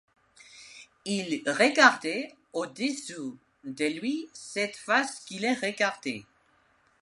Il regardait au-dessus de lui cette face qui le regardait.